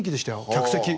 客席。